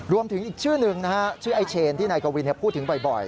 รวมถึงอีกชื่อหนึ่งชื่อไอ้เชนที่นายกะวินพูดถึงบ่อย